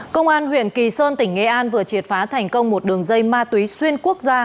công an huyện kỳ sơn tỉnh nghệ an vừa triệt phá thành công một đường dây ma túy xuyên quốc gia